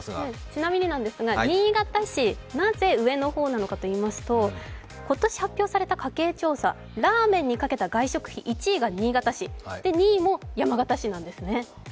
ちなみになんですが新潟市なぜ上の方なのかといいますと今年発表された家計調査、ラーメンにかけた外食費１位が新潟市、２位も山形市なんですね。